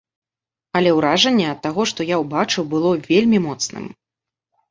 Але ўражанне ад таго, што я ўбачыў, было вельмі моцным.